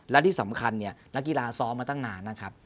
และที่สำคัญเนี่ยนักกีฬาซ้อมมาตั้งนานนะครับ